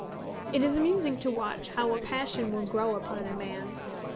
It is amusing to watch how a passion will grow upon a man.